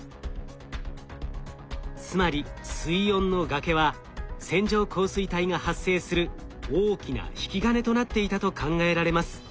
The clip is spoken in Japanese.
つまり水温の崖は線状降水帯が発生する大きな引き金となっていたと考えられます。